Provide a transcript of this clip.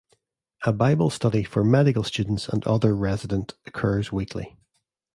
A Bible study for medical students and other resident occurs weekly.